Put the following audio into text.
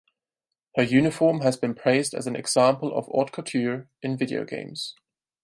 Her uniform has been praised as an example of haute couture in video games.